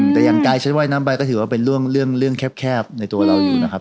แต่อย่างกายฉันว่ายน้ำใบก็ถือว่าเป็นเรื่องแคบในตัวเราอยู่นะครับ